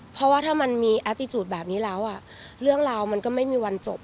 เพราะว่าถ้ามันมีแอติจูดแบบนี้แล้วเรื่องราวมันก็ไม่มีวันจบ